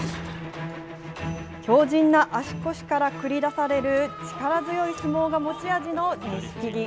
強じんな足腰から繰り出される力強い相撲が持ち味の錦木。